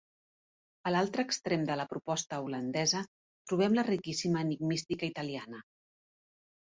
A l'altre extrem de la proposta holandesa trobem la riquíssima enigmística italiana.